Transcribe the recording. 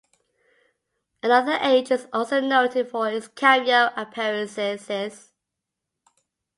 Another Age is also noted for its cameo appearances.